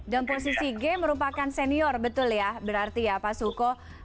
dan posisi g merupakan senior betul ya pak suko